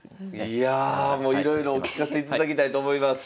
いやもういろいろお聞かせいただきたいと思います。